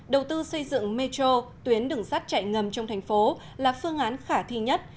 đầu tư xây dựng metro tuyến đường sắt chạy ngầm trong thành phố là phương án khả thi nhất